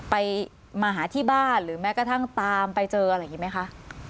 ไปมาหาที่บ้านหรือแม้กระทั่งตามไปเจออะไรอย่างนี้ไหมคะ